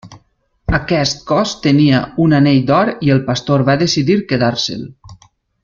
Aquest cos tenia un anell d'or i el pastor va decidir quedar-se'l.